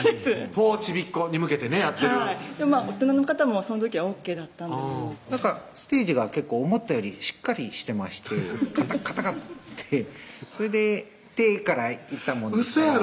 フォーちびっ子に向けてねやってるはい大人の方もその時はＯＫだったステージが結構思ったよりしっかりしてましてかたかってそれで手から行ったもんですからウソやろ？